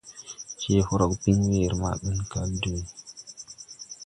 Je hobre bin weere maa bɛn kal dwęę.